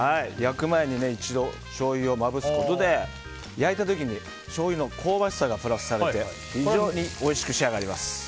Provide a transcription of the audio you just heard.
焼く前に一度、しょうゆをまぶすことで焼いた時にしょうゆの香ばしさがプラスされて非常においしく仕上がります。